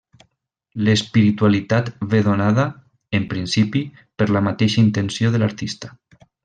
L'espiritualitat ve donada, en principi, per la mateixa intenció de l'artista.